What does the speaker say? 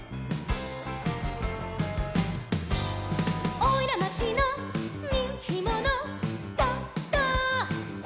「おいらまちのにんきもの」「ドド」